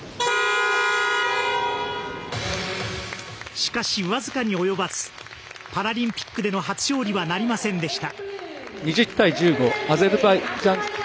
しかし、僅かに及ばずパラリンピックでの初勝利はなりませんでした。